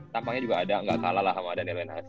tampangnya juga ada gak salah lah sama daniel wenas